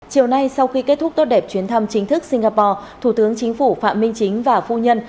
chiều nay sau khi kết thúc tốt đẹp chuyến thăm chính thức singapore thủ tướng chính phủ phạm minh chính và phu nhân